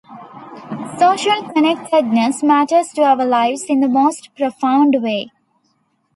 Social connectedness matters to our lives in the most profound way.